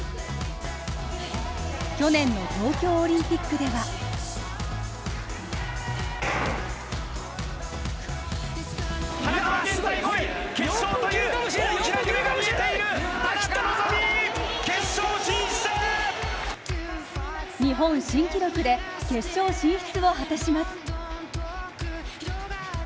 去年の東京オリンピックでは日本新記録で決勝進出を果たします。